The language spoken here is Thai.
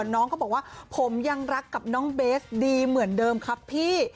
น้องก็บอกว่าผมยังรักกับน้องเบสดีเหมือนเดิมครับพี่